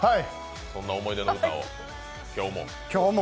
そんな思い出の歌を、今日も。